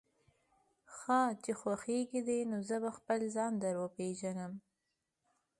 ښه چې خوښېږي دې، نو زه به خپله ځان در وپېژنم.